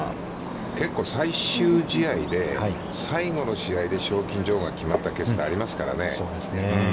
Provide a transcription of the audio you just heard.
結構、最終試合で最後の試合で賞金女王が決まったケースって、ありますからね。